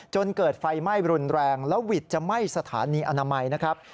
จนเกิดไฟไหม้รุนแรงแล้วหวิดจะไหม้สถานีอนามัยนะครับ